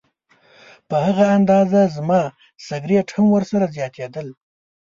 په هغه اندازه زما سګرټ هم ورسره زیاتېدل.